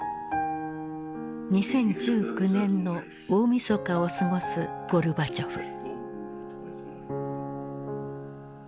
２０１９年の大みそかを過ごすゴルバチョフ。